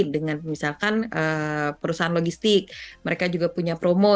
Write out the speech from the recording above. dengan misalkan perusahaan logistik mereka juga punya promo